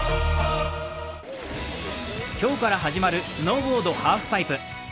今日から始まるスノーボード・ハーフパイプ。